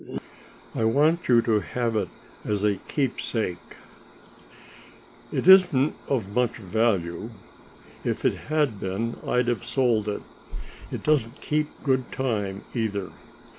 "I want you to have it as a keepsake. It isn't of much value; if it had been I'd have sold it. It doesn't keep good time, either.